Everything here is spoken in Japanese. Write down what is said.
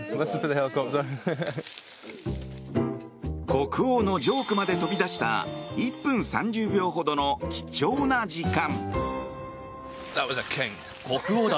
国王のジョークまで飛び出した１分３０秒ほどの貴重な時間。